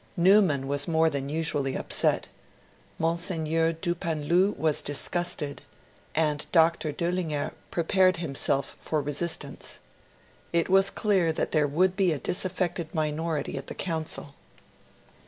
Newman was more than usually upset; Monseigneur Dupanloup was disgusted; and Dr. Dollinger prepared himself for resistance. It was clear that there would be a disaffected minority at the Council.